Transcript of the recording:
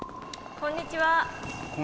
こんにちは。